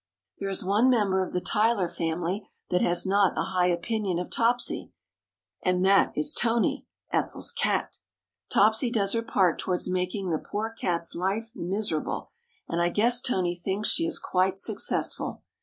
There is one member of the Tyler family that has not a high opinion of Topsy, and that is Tony, Ethel's cat. Topsy does her part towards making the poor cat's life miserable, and I guess Tony thinks she is quite successful.